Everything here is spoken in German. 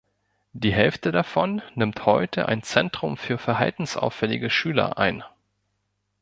Die Hälfte davon nimmt heute ein Zentrum für verhaltensauffällige Schüler ein.